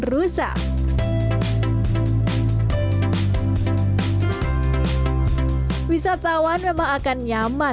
department effect biasa ngomongin mengenai crust perang dan juga